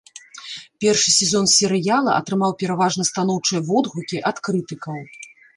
Першы сезон серыяла атрымаў пераважна станоўчыя водгукі ад крытыкаў.